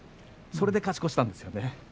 それで勝ち越したんですよね。